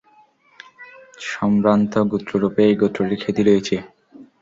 সম্ভ্রান্ত গোত্ররূপে এ গোত্রটির খ্যাতি রয়েছে।